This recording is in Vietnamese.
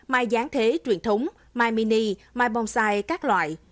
mai gián thế truyền thống mai mini mai bonsai các loại